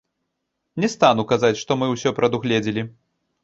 Не стану казаць, што мы ўсё прадугледзелі.